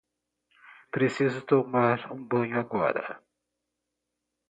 Preciso tomar um banho agora.